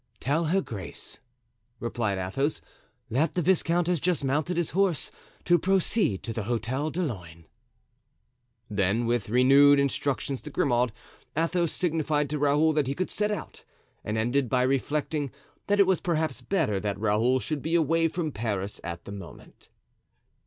"Tell her grace," replied Athos, "that the viscount has just mounted his horse to proceed to the Hotel de Luynes." Then, with renewed instructions to Grimaud, Athos signified to Raoul that he could set out, and ended by reflecting that it was perhaps better that Raoul should be away from Paris at that moment.